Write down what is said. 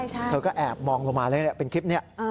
เธอก็แอบมองลงมาเลยเป็นคลิปนี้